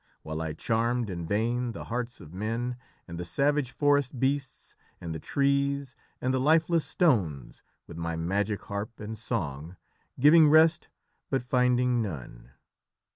While I charmed in vain the hearts of men, and the savage forest beasts, and the trees, and the lifeless stones, with my magic harp and song, giving rest, but finding none."